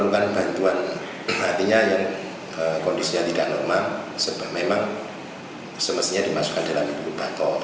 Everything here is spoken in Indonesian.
kondisinya tidak normal sebab memang semestinya dimasukkan di dalam inkubator